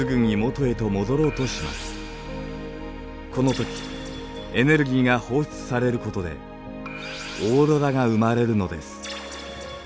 このときエネルギーが放出されることでオーロラが生まれるのです。